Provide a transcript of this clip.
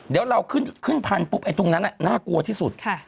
เดี๋ยวเราขึ้นพันธุไอ้ตรงนั้นน่ากลัวที่สุด